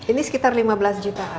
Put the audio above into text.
ini sekitar lima belas jutaan